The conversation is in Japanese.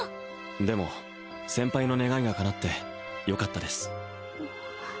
でも先輩の願いが叶ってよかったです